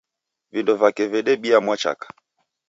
Vindo vake vedebia mwachaka